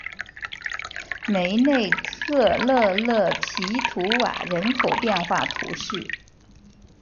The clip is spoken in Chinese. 梅内特勒勒皮图瓦人口变化图示